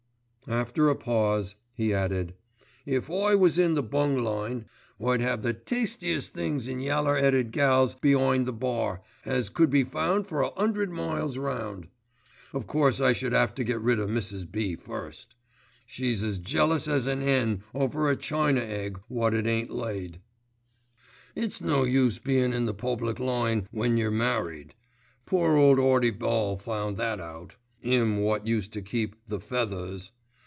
'" After a pause, he added, "If I was in the bung line I'd 'ave the tastiest things in yaller 'eaded gals be'ind the bar as could be found for a 'undred miles round. Of course I should 'ave to get rid o' Mrs. B. first. She's as jealous as an 'en over a china egg wot it ain't laid. "It's no use bein' in the public line when you're married. Poor ole Artie Ball found that out, 'im wot used to keep 'The Feathers.